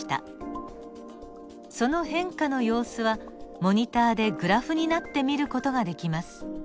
その変化の様子はモニターでグラフになって見る事ができます。